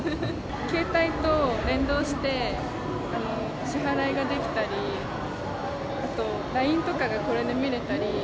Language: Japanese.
携帯と連動して支払いができたり、あとＬＩＮＥとかがこれで見れたり。